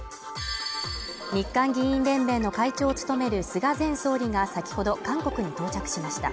日韓議員連盟の会長を務める菅前総理が先ほど韓国に到着しました。